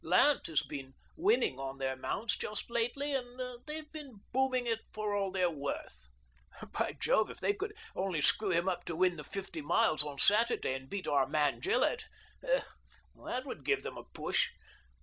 Lant has been winning on their mounts just lately, and they've been booming it for all they're worth. By Jove, if they could only screw him up to win the fifty miles on Saturday, and beat our man Gillett, that would give them a push